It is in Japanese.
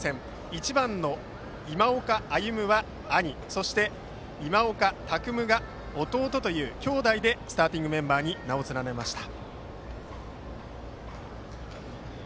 １番の今岡歩夢は兄そして、今岡拓夢が弟という兄弟でスターティングメンバーに名を連ねました。